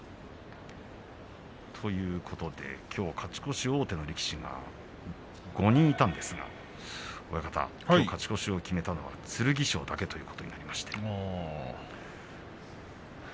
きょう勝ち越し王手の力士が５人いたんですが親方、勝ち越しを決めたのは剣翔だけということになりました。